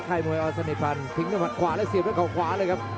มวยอสนิทฟันทิ้งด้วยหัดขวาและเสียบด้วยเขาขวาเลยครับ